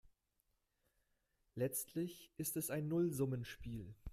Letztlich ist es ein Nullsummenspiel.